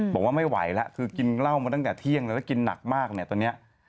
บอกว่าไม่ไหวแล้วคือกินเหล้ามาตั้งแต่เที่ยงแล้วแล้วกินหนักมากเนี่ยตอนนี้